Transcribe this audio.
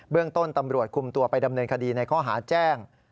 เรื่องต้นตำรวจคุมตัวไปดำเนินคดีในข้อหาแจ้ง